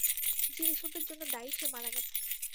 যে এসবের জন্য দায়ী সে মারা গেছে।